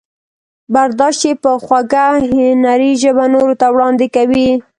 برداشت یې په خوږه هنري ژبه نورو ته وړاندې کوي.